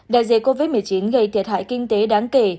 đại dịch covid một mươi chín gây thiệt hại kinh tế đáng kể